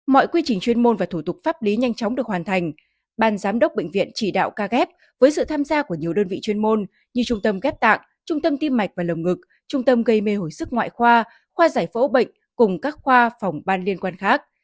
mọi quy trình chuyên môn và thủ tục pháp lý nhanh chóng được hoàn thành ban giám đốc bệnh viện chỉ đạo ca ghép với sự tham gia của nhiều đơn vị chuyên môn như trung tâm ghép tạng trung tâm tim mạch và lồng ngực trung tâm gây mê hồi sức ngoại khoa khoa giải phẫu bệnh cùng các khoa phòng ban liên quan khác